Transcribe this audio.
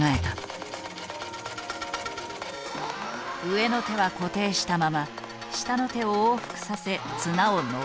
上の手は固定したまま下の手を往復させ綱を登る。